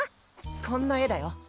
こんな絵だよ！